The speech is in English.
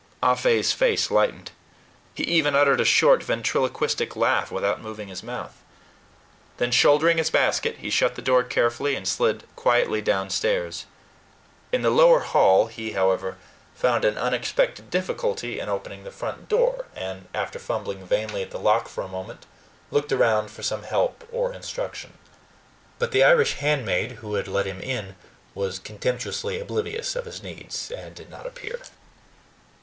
Ah Fe's face lightened. He even uttered a short ventriloquistic laugh without moving his mouth. Then, shouldering his basket, he shut the door carefully and slid quietly down stairs. In the lower hall he, however, found an unexpected difficulty in opening the front door, and, after fumbling vainly at the lock for a moment, looked around for some help or instruction. But the Irish handmaid who had let him in was contemptuously oblivious of his needs, and did not appear.